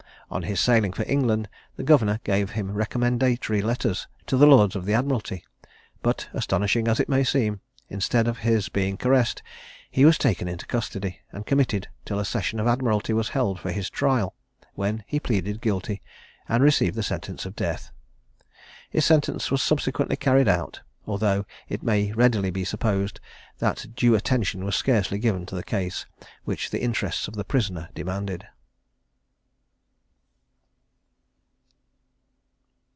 On his sailing for England, the governor gave him recommendatory letters to the lords of the admiralty; but, astonishing as it may seem, instead of his being caressed, he was taken into custody, and committed till a session of admiralty was held for his trial, when he pleaded guilty, and received sentence of death. His sentence was subsequently carried out, although it may readily be supposed that that due attention was scarcely given to the case which the interests of the prisoner demanded.